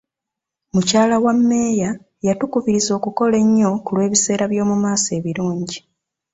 Mukyala wa mmeeya yatukubiriza okukola ennyo ku lw'ebiseera by'omu maaso ebirungi